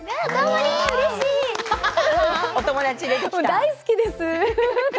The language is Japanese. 大好きです。